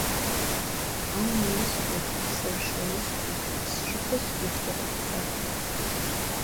Амҩа исҭоит, сылша исҭоит, сжьы ԥысҟоит иаҭаххар!